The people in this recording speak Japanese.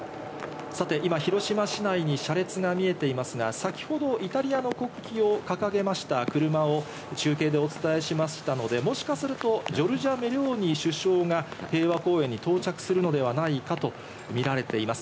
さて今、広島市内に車列が見えていますが、先ほどイタリアの国旗を掲げました車を中継でお伝えしましたので、もしかするとジョルジャ・メローニ首相が平和公園に到着するのではないかと見られています。